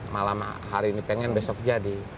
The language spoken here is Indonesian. malam hari ini pengen besok jadi